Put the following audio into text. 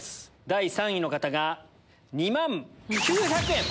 第３位の方が２万９００円。